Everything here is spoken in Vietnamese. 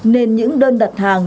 nên những đơn đặt hàng